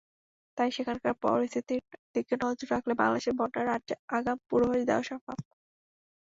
তাই সেখানকার পরিস্থিতির দিকে নজর রাখলে বাংলাদেশে বন্যার আগাম পূর্বাভাস দেওয়া সম্ভব।